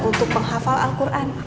untuk penghafal alquran